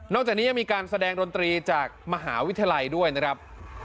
จากนี้ยังมีการแสดงดนตรีจากมหาวิทยาลัยด้วยนะครับ